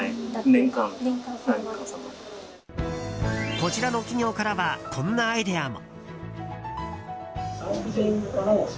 こちらの企業からはこんなアイデアも。